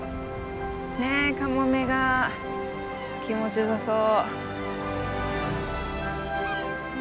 ねえカモメが気持ちよさそう。